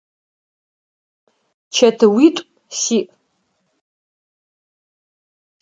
Чэтыуитӏу сиӏ.